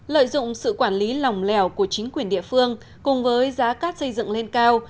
lợi dụng sự quản lý lòng lẻo của chính quyền địa phương cùng với giá cát xây dựng lên cao